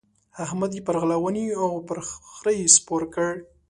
احمد يې پر غلا ونيو او پر خره يې سپور کړ.